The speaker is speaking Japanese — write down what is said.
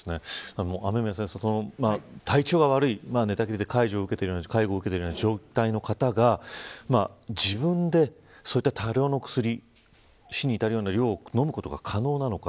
雨宮さん、体調が悪くて寝たきりで介護を受けている状態の方が自分で多量の薬死に至るような量を飲むことが可能なのか。